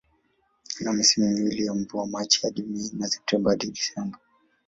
Ina misimu miwili ya mvua, Machi hadi Mei na Septemba hadi Disemba.